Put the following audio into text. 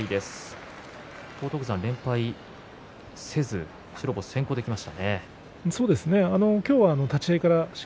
荒篤山、連敗せず白星先行できましたね。